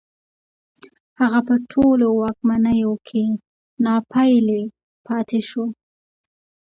هغه په ټولو واکمنیو کې ناپېیلی پاتې شو